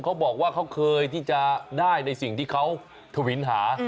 เขาบอกว่าเขาเคยที่จะได้ในสิ่งที่เขาทวินหา